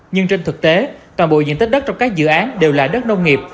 nhưng trên thực tế toàn bộ diện tích đất trong các dự án đều là đất nông nghiệp